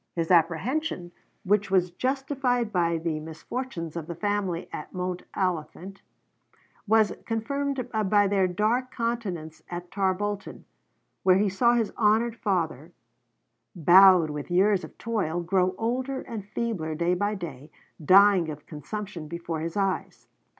His apprehension, which was justified by the misfortunes of the family at Mount Oliphant, was confirmed by their dark continuance at Tarbolton, where he saw his honored father, bowed with years of toil, grow older and feebler day by day, dying of consumption before his eyes.